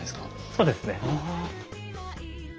そうですね。